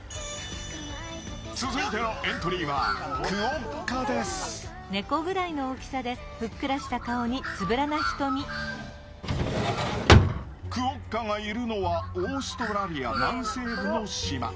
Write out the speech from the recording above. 続いてのエントリーはクオッカがいるのはオーストラリア南西部の島。